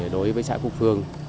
đối với xã cốc phương